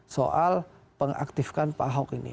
soal pengaktifkan pak ahok ini